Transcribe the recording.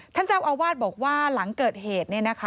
ท่านเจ้าอาวาสบอกว่าหลังเกิดเหตุ